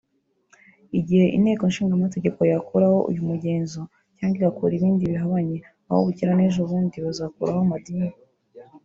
Igihe inteko nshingamategeko yakuraho uyu mugenzo cyangwa igakora ibindi bihabanye aho bukera n’ejo bundi bazakurahoa amadini